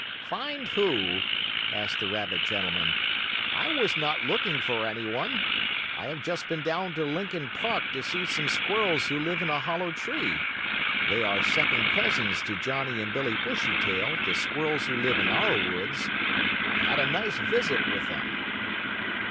"Find who?" asked the rabbit gentleman. "I was not looking for any one. I have just been down to Lincoln Park to see some squirrels who live in a hollow tree. They are second cousins to Johnnie and Billie Bushytail, the squirrels who live in our woods. I had a nice visit with them."